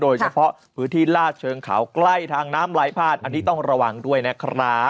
โดยเฉพาะพื้นที่ลาดเชิงเขาใกล้ทางน้ำลายพาดอันนี้ต้องระวังด้วยนะครับ